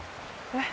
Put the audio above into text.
えっ？